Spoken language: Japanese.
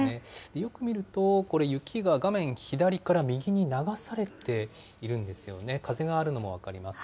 よく見ると、これ、雪が画面左から右に流されているんですよね。風があるのも分かります。